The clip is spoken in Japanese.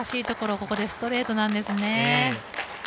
ここでストレートなんですね。